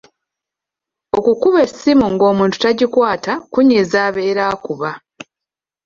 Okukuba essimu ng’omuntu tagikwata kunyiiza abeera akuba.